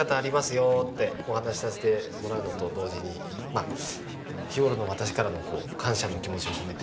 よってお話しさせてもらうのと同時にまあ日頃の私からの感謝の気持ちを込めて。